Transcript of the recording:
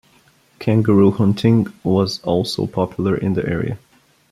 Kangaroo hunting was also popular in the area.